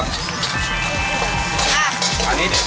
เป็นใส่ซอส